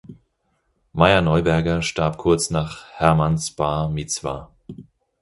Meir Neuberger starb kurz nach Hermans Bar Mizwa.